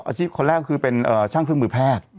ไม่ช่างเครื่องมือแพทย์